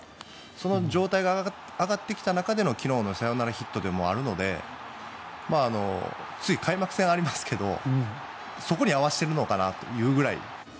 その状態が上がってきた中での昨日のサヨナラヒットでもあるので開幕戦がありますけどそこに合わせてるのかなというぐらい。